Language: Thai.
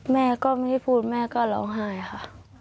แม่ก็ไม่ได้พูดแม่ก็ร้องไห้ค่ะ